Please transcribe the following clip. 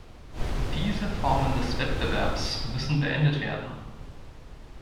Diese Formen des Wettbewerbs müssen beendet werden.